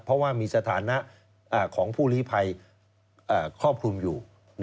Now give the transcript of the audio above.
เพราะว่ามีสถานะของผู้ลีภัยครอบคลุมอยู่